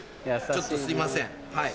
ちょっとすいません。